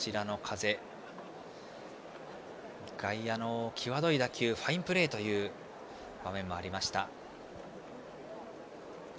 外野の際どい打球ファインプレーという場面もありました。